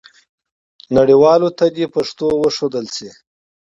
نړیوالو ته دې پښتو وښودل سي.